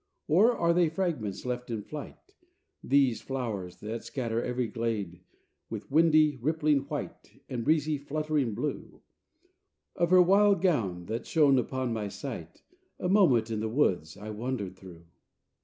Or, are they fragments left in flight, These flow'rs that scatter every glade With windy, rippling white, And breezy, fluttering blue, Of her wild gown that shone upon my sight, A moment, in the woods I wandered through?